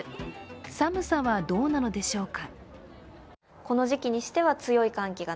寒さはどうなのでしょうか。